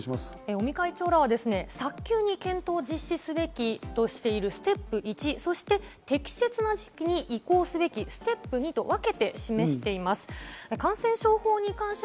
尾身会長らは早急に検討実施すべきとしているステップ１、そして適切な時期に移行すべきステップ２と分けて示しています。